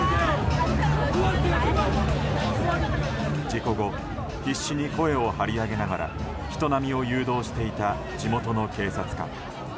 事故後必死に声を張り上げながら人波を誘導していた地元の警察官。